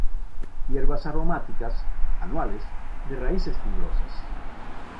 Hierbas aromáticas, anuales, de raíces fibrosas.